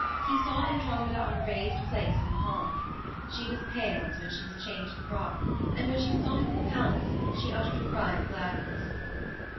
He saw Andromeda on a raised place in the hall. She was pale as when she was chained to the rock, and when she saw him in the palace she uttered a cry of gladness.